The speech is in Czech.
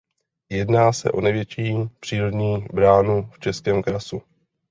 Jedná se o největší přírodní bránu v Českém krasu.